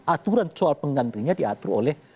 aturan soal penggantinya diatur oleh